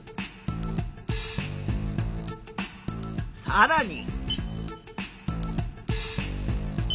さらに。